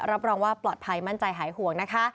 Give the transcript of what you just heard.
รับรองว่าปลอดภัยมั่นใจหายห่วงนะคะ